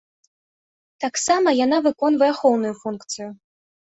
Таксама яна выконвае ахоўную функцыю.